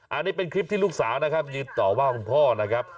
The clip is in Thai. อันนี้เป็นคลิปที่ลูกสาวนะครับยืนต่อว่าคุณพ่อนะครับ